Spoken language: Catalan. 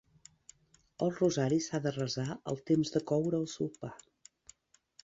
El rosari s'ha de resar el temps de coure el sopar.